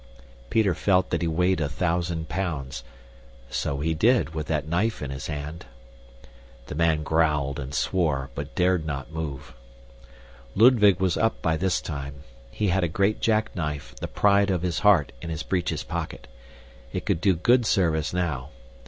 Peter felt that he weighed a thousand pounds. So he did, with that knife in his hand. The man growled and swore but dared not move. Ludwig was up by this time. He had a great jackknife, the pride of his heart, in his breeches pocket. It could do good service now.